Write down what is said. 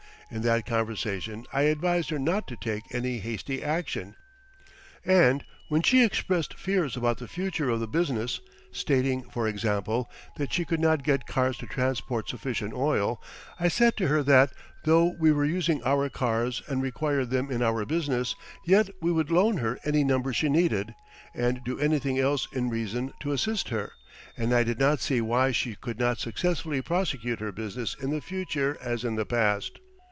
In that conversation I advised her not to take any hasty action, and when she expressed fears about the future of the business, stating, for example, that she could not get cars to transport sufficient oil, I said to her that, though we were using our cars and required them in our business, yet we would loan her any number she needed, and do anything else in reason to assist her, and I did not see why she could not successfully prosecute her business in the future as in the past.